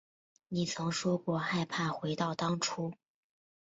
你曾说过害怕回到当初